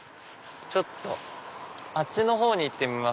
ちょっとあっちのほうに行ってみます。